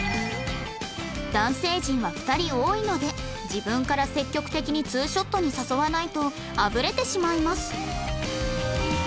男性陣は２人多いので自分から積極的にツーショットに誘わないとあぶれてしまいます